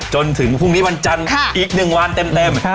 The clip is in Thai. จนถึงพรุ่งนี้วันจันทร์อีก๑วันเต็ม